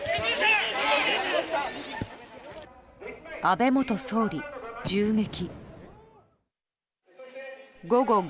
安倍元総理銃撃。